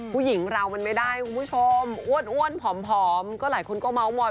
ผู้หญิงเรามันไม่ได้คุณผู้ชมอ้วนผอมก็หลายคนก็เมาส์มอย